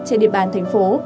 trên địa bàn thành phố